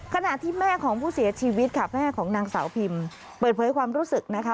ขณะที่แม่ของผู้เสียชีวิตค่ะแม่ของนางสาวพิมเปิดเผยความรู้สึกนะคะ